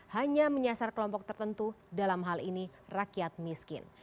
hanya menyasar kelompok tertentu dalam hal ini rakyat miskin